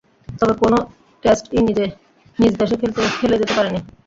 তবে কোন টেস্টই নিজ দেশে খেলে যেতে পারেননি।